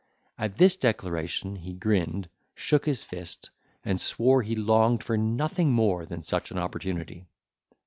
At this declaration he grinned, shook his fist, and swore he longed for nothing more than such an opportunity.